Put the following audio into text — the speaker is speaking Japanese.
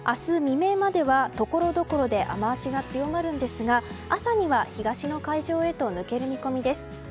未明まではところどころで雨脚が強まるんですが朝には東の海上へと抜ける見込みです。